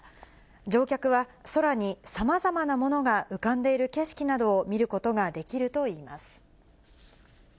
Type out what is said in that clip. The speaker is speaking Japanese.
乗客は、空にさまざまなものが浮かんでいる景色などを見ることができるといいます。